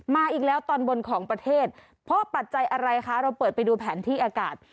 อีกแล้วตอนบนของประเทศเพราะปัจจัยอะไรคะเราเปิดไปดูแผนที่อากาศ